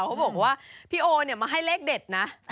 เขาบอกว่าพี่โอมาให้เลขเด็ดนะ